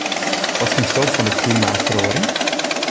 Wat fynsto fan de klimaatferoaring?